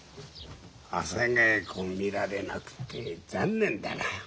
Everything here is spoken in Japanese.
朝稽古見られなくて残念だな。